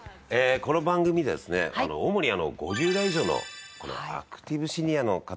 この番組ですね主に５０代以上のアクティブシニアの方々に向けてですね。